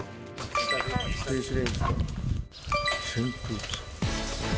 電子レンジと、扇風機。